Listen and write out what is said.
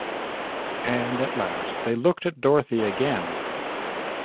And at last they looked at Dorothy again.